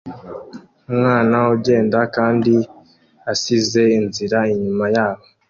Umwana ugenda kandi asize inzira inyuma yabo